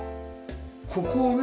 ここをね